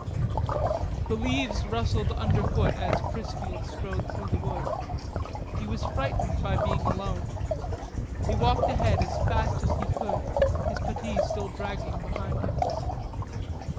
The leaves rustled underfoot as Chrisfield strode through the wood. He was frightened by being alone. He walked ahead as fast as he could, his puttee still dragging behind him.